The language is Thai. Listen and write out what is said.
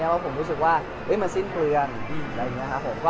ว่าผมรู้สึกว่ามันสิ้นเปลือง